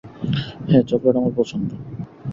হ্যাঁ, চকলেট আমার পছন্দ।